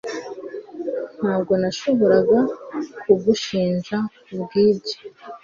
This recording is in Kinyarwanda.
ntabwo nashoboraga kugushinja kubwibyo